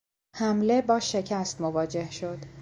حمله با شکست مواجه شد.